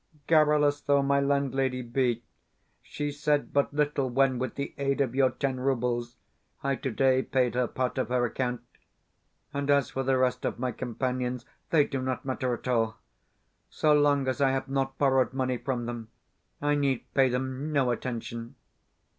Garrulous though my landlady be, she said but little when, with the aid of your ten roubles, I today paid her part of her account; and as for the rest of my companions, they do not matter at all. So long as I have not borrowed money from them, I need pay them no attention.